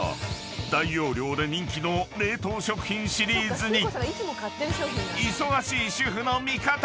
［大容量で人気の冷凍食品シリーズに忙しい主婦の味方